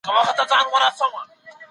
په راتلونکي کي به د زده کړي لاري بدلې سي.